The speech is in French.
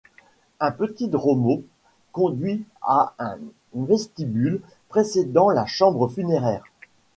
Un petit dromos conduit à un vestibule précédant la chambre funéraire.